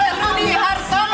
untuk tak saling bertopak